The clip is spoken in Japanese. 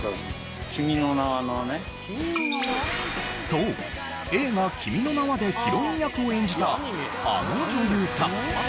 そう映画『君の名は』でヒロイン役を演じたあの女優さん。